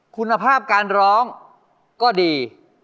คุณภาพการร้องก็ดี